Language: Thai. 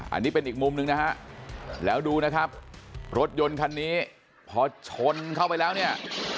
อันนี้เป็นอีกมุมหนึ่งนะฮะแล้วดูนะครับรถยนต์คันนี้พอชนเข้าไปแล้วเนี่ย